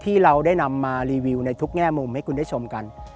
ที่เราได้นำมารีวิวในทุกแง่มุมให้คุณได้ชมกัน